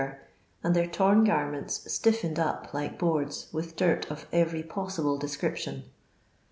rer, and their torn garments stitfened i up like boards with dirt of every possible de scription.